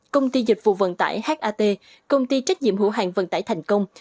công ty dịch vụ vận tải hat công ty trách nhiệm hữu hàng vận tải thành công